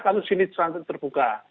kasus ini terbuka